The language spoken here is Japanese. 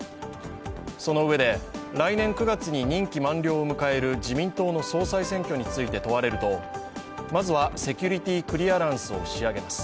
そのうえで、来年９月に任期満了を迎える自民党の総裁選挙について問われるとまずはセキュリティ・クリアランスを仕上げます